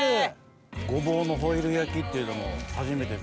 ごぼうのホイル焼きっていうのも初めてです。